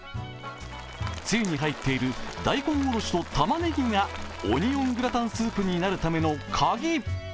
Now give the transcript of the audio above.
つゆに入っている大根おろしとたまねぎがオニオングラタンスープになるための鍵。